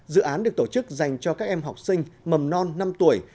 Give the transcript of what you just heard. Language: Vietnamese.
dự án được tổ chức dành cho các em học sinh mầm non năm tuổi